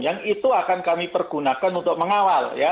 yang itu akan kami pergunakan untuk mengawal ya